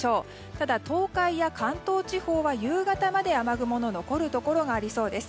ただ、東海や関東地方は夕方まで雨雲の残るところがありそうです。